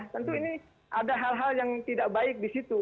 tentu ini ada hal hal yang tidak baik di situ